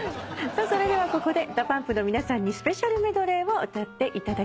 それではここでＤＡＰＵＭＰの皆さんにスペシャルメドレーを歌っていただきます。